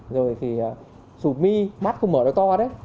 rồi thì xụp mi mắt không mở được to